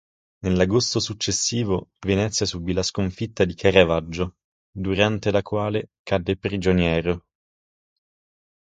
Nell'agosto successivo Venezia subì la sconfitta di Caravaggio durante la quale cadde prigioniero.